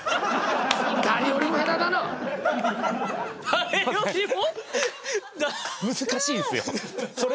誰よりも？